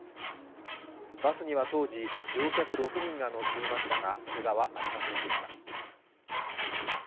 バスには当時、乗客６人が乗っていましたが、けがはありませんでした。